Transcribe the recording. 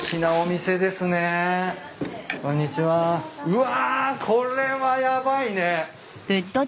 うわこれはヤバいね。